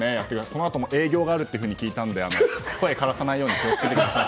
このあとも営業があるって聞いたので声をからさないように気を付けてください。